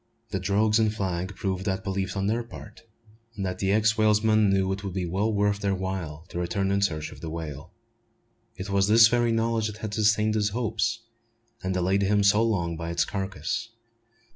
The "drogues" and flag proved that belief on their part, and the ex whalesman knew that it would be well worth their while to return in search of the whale. It was this very knowledge that had sustained his hopes, and delayed him so long by its carcass.